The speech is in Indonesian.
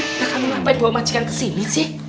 udah kami sampai bawa majikan kesini sih